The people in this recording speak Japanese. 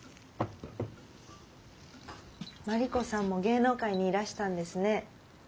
真理子さんも芸能界にいらしたんですね。